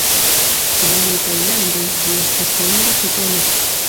En multaj landoj, ĝi estas honora titolo.